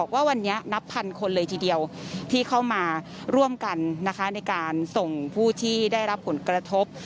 ว่าวันนี้นับพันคนเลยทีเดียวที่เข้ามาร่วมกันนะคะในการส่งผู้ที่ได้รับผลกระทบ